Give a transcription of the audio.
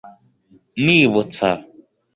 nibutsa